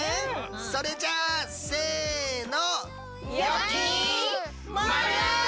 それじゃあせの。